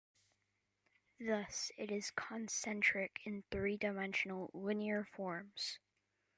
Thus, it is concentric in three-dimensional, linear forms.